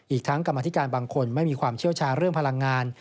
อีกทั้งกรรมธิการบางคนไม่มีความเชี่ยวชาญเรื่องพลังงาน